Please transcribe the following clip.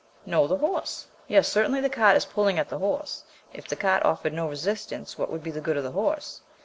"No, the horse." Yes, certainly the cart is pulling at the horse; if the cart offered no resistance what would be the good of the horse?